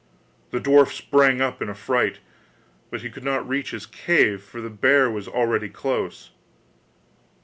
The dwarf sprang up in a fright, but he could not reach his cave, for the bear was already close.